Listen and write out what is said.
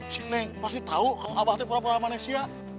si neng pasti tahu kalau abah teh pura pura manis ya